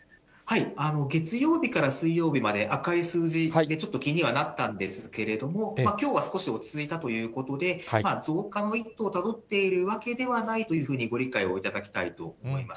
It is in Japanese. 月曜日から水曜日まで赤い数字でちょっと気にはなったんですけれども、きょうは少し落ち着いたということで、増加の一途をたどっているわけではないというふうにご理解をいただきたいと思います。